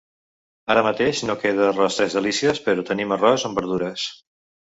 Ara mateix no queda arròs tres delícies però tenim arròs amb verdures.